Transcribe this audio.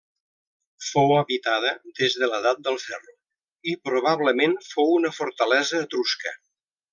Fou habitada des de l'edat del ferro i, probablement, fou una fortalesa etrusca.